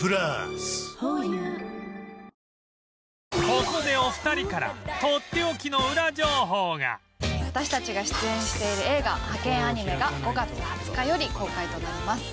ここでお二人から私たちが出演している映画『ハケンアニメ！』が５月２０日より公開となります。